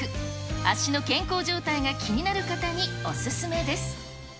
足の健康状態が気になる方にお勧めです。